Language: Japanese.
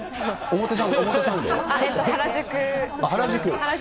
原宿。